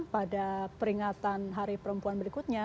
pada peringatan hari perempuan berikutnya